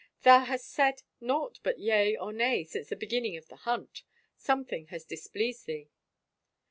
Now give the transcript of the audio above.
" Thou hast said naught but yea or nay since the beginning of the himt. Something has displeased thee."